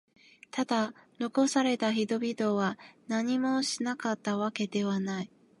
ただ、残された人々は何もしなかったわけではない。